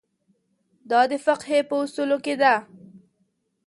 دا د فقهې په اصولو کې ده.